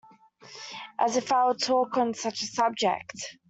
As if I would talk on such a subject!